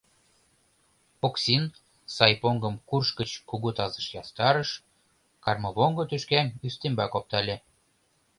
Оксин сай поҥгым курш гыч кугу тазыш ястарыш, кармывоҥго тӱшкам ӱстембак оптале.